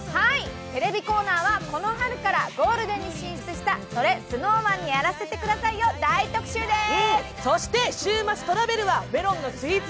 テレビコーナーはこの春からゴールデンに進出した「それＳｎｏｗＭａｎにやらせて下さい」の大特集です。